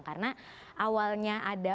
karena awalnya ada